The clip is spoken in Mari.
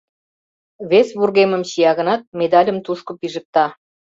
Вес вургемым чия гынат, медальым тушко пижыкта.